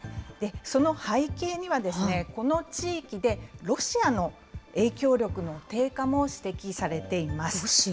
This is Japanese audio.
その背景にはですね、この地域でロシアの影響力の低下も指摘されています。